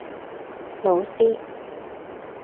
老師